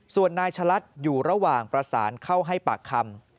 ส่วนนายชะลัดอยู่ระหว่างประสานเข้าให้ปากคำ